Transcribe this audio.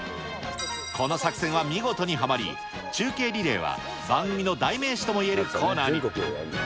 この作戦は見事にはまり、中継リレーは番組の代名詞ともいえるコーナーに。